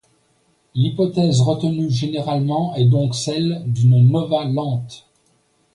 L'hypothèse retenue généralement est donc celle d'une nova lente.